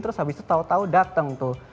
terus habis itu tau tau dateng tuh